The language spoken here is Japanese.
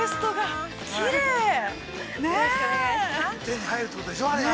◆手に入るということでしょう、あれが。